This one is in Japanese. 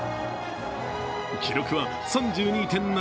記録は３２．７５ｍ。